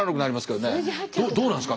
どうなんですか？